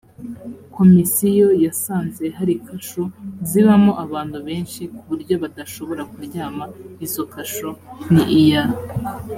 komisiyo yasanze hari kasho zibamo abantu benshi ku buryo badashobora kuryama izo kasho ni iya